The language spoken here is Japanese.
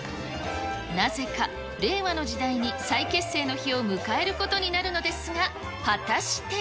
なぜか令和の時代に再結成の日を迎えることになるのですが、果たして。